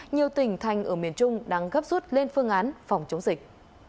nhiều tỉnh thành ở miền trung đang gấp rút lên phương án phòng chống dịch